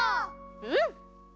うん！